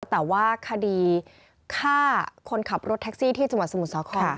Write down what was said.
แต่ว่าคดีฆ่าคนขับรถแท็กซี่ที่จังหวัดสมุทรสาคร